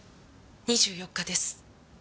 ２４日です。